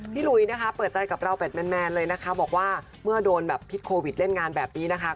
หลุยนะคะเปิดใจกับเราแบบแมนเลยนะคะบอกว่าเมื่อโดนแบบพิษโควิดเล่นงานแบบนี้นะคะ